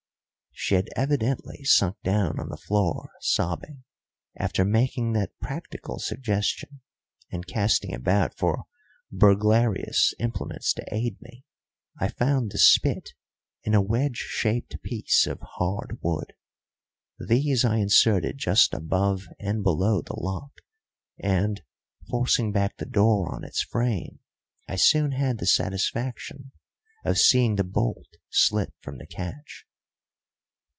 She had evidently sunk down on the floor sobbing, after making that practical suggestion; and, casting about for burglarious implements to aid me, I found the spit and a wedge shaped piece of hard wood. These I inserted just above and below the lock, and, forcing back the door on its frame, I soon had the satisfaction of seeing the bolt slip from the catch.